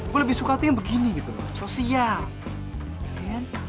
gua lebih suka tuh yang begini gitu sosial